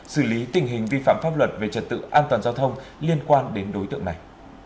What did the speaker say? xử lý tình hình vi phạm pháp luật về trật tự an toàn giao thông liên quan đến đối tượng này